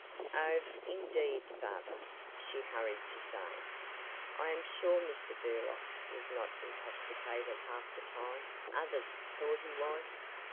"Oh indeed, father," she hurried to say, "I am sure Mr. Burlock was not intoxicated half the time others thought he was.